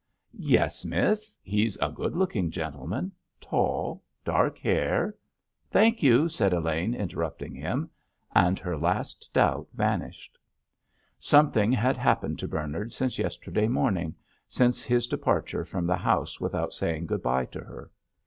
"Yes, miss. He's a good looking gentleman. Tall, dark hair——" "Thank you," said Elaine, interrupting him—and her last doubt vanished. Something had happened to Bernard since yesterday morning, since his departure from the house without saying good bye to her.